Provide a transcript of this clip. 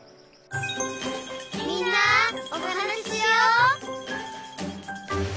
「みんなおはなししよう」